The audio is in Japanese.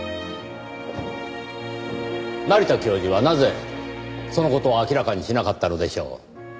成田教授はなぜその事を明らかにしなかったのでしょう？